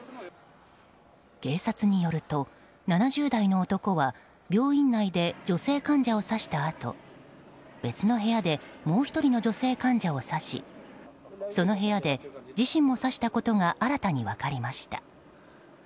警察によると７０代の男は病院内で女性患者を刺したあと別の部屋でもう１人の女性患者を刺しその部屋で自身も刺したことが新たに分かりました。